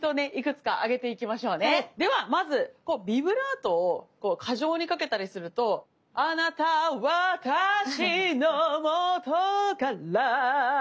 ではまずこうビブラートを過剰にかけたりするとあなた、わたしのもとからァって。